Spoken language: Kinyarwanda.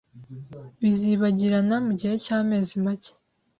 Bizibagirana mugihe cyamezi make.